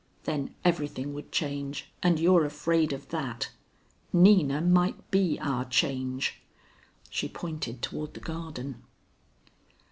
Then everything would change, and you're afraid of that. Nina might be our change." She pointed toward the garden.